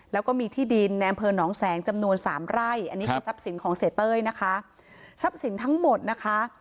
แล้วก็มีที่ดินในอำเภอหนองแสงจำนวนสามไร่อันนี้คือทรัพย์สินของเสียเต้ยนะคะทรัพย์สินทั้งหมดนะคะ